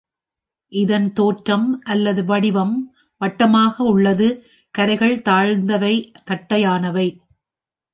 இதன் தோற்றம் அல்லது வடிவம் வட்டமாக உள்ளது கரைகள் தாழ்ந்தவை தட்டையானவை.